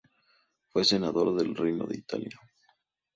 Fue senador del Reino de Italia.